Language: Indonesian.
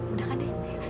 udah kak dede